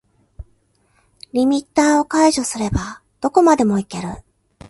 リミッターを解除すればどこまでもいける